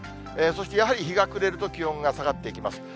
そして、やはり日が暮れると、気温が下がっていきます。